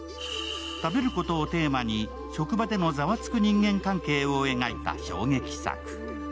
食べることをテーマに職場でのザワつく人間関係を描いた衝撃作。